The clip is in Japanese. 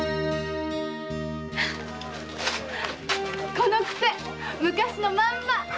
この癖昔のまんま！